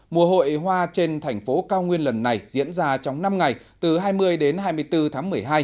mùa hội hoa trên thành phố cao nguyên lần này diễn ra trong năm ngày từ hai mươi đến hai mươi bốn tháng một mươi hai